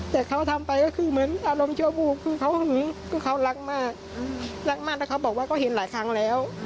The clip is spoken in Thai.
แต่เขาทำไปก็คือเหมือนอารมณ์ชั่ววูบคือเขาหึงคือเขารักมากรักมากแล้วเขาบอกว่าเขาเห็นหลายครั้งแล้ว